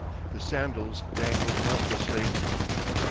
The sandals dangled helplessly.